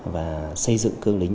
và xây dựng cương lính